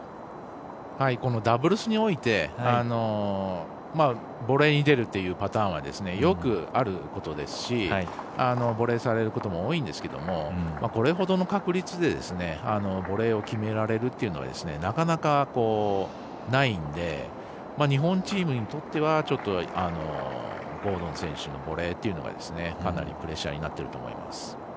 ダブルスにおいてボレーに出るというパターンは、よくあることですしボレーされることも多いんですけどこれほどの確率でボレーを決められるというのはなかなかないんで日本チームにとってはちょっとゴードン選手のボレーというのは、かなりプレッシャーになっていると思います。